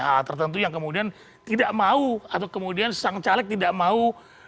hal tertentu yang kemudian tidak mau atau kemudian sang caleg tidak mau